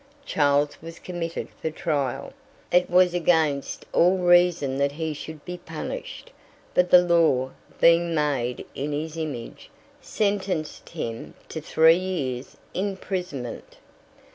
Charles was committed for trial. It was against all reason that he should be punished, but the law, being made in his image, sentenced him to three years' imprisonment.